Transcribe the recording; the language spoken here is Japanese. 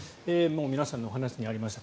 皆さんのお話にありました